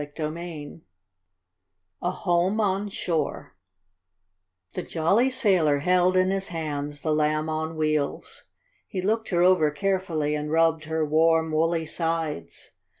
CHAPTER III A HOME ON SHORE The jolly sailor held in his hands the Lamb on Wheels. He looked her over carefully, and rubbed her warm, woolly sides.